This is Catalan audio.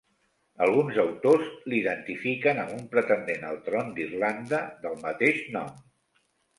Alguns autors l'identifiquen amb un pretendent al tron d'Irlanda del mateix nom.